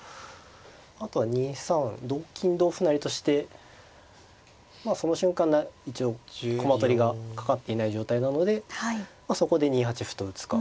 あとは２三同金同歩成としてまあその瞬間一応駒取りがかかっていない状態なのでそこで２八歩と打つか。